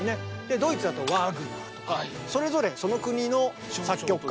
ドイツだとワーグナーとかそれぞれその国の作曲家。